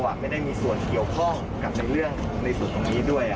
ไม่ได้มีส่วนเกี่ยวข้องกับในเรื่องในส่วนตรงนี้ด้วย